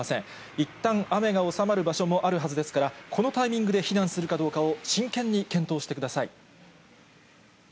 いったん雨が収まる場所もあるはずですから、このタイミングで避難するかどうかを真剣に検討してください。